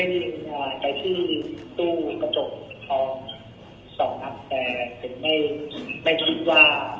เอ่อผมได้ยิงอ่าในที่ตู้กระจกพอสองนับแต่เป็นไม่ไม่คิดว่า